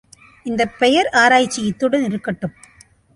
இந்தப் பெயர் ஆராய்ச்சி இத்துடன் இருக்கட்டும்.